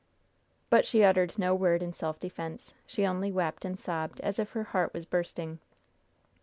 But she uttered no word in self defense; she only wept and sobbed as if her heart were bursting.